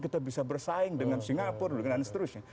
kita bisa bersaing dengan singapura dan seterusnya